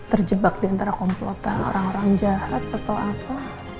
terjebak diantara komplotan orang orang jahat atau apa